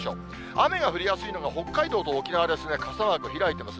雨が降りやすいのが、北海道と沖縄ですね、傘マーク開いてます。